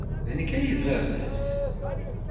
D nekk ay d baba-s?